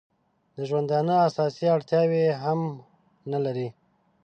د ژوندانه اساسي اړتیاوې هم نه لري.